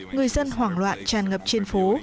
người dân hoảng loạn tràn ngập trên phố